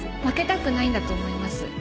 負けたくないんだと思います